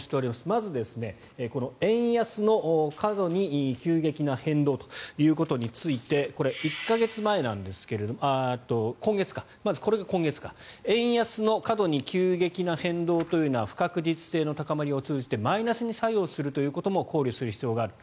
まず、この円安の過度に急激な変動ということについてこれ、今月なんですが円安の過度に急激な変動というのは不確実性の高まりを通じてマイナスに作用するということも考慮する必要がある。